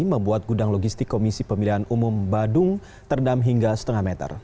membuat gudang logistik komisi pemilihan umum badung terendam hingga setengah meter